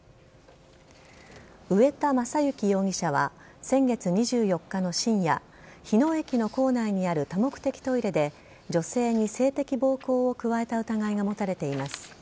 上田将之容疑者は先月２４日の深夜日野駅の構内にある多目的トイレで女性に性的暴行を加えた疑いが持たれています。